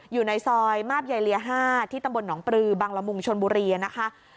อยู่ในซอยมาบใยเลีย๕ที่ตำบลหนองปลือบังละมุงชนบุรีนะคะ